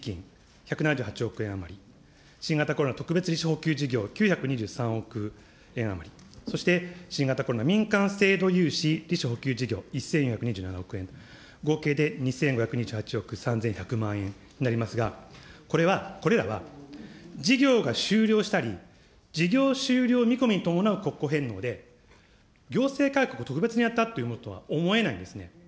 １７８億円余り、新型コロナ特別事業、９２３億円余り、そして新型コロナ民間制度融資利子補給事業、１４２７億円、合計で２５２８億３１００万円になりますが、これらは、事業が終了したり、事業終了見込みに伴う国庫返納で、行政改革を特別にやったというふうには思えないんですね。